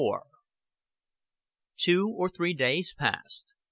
XXXIV Two or three days passed.